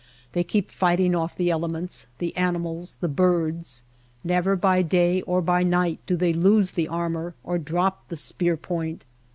They keep fighting off the elements, the animals, the birds. Never by day or by night do they loose the armor or drop the spear point.